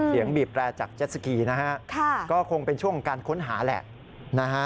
เสียงบีบแรงจากเจสสกีนะฮะก็คงเป็นช่วงการค้นหาแหละนะฮะ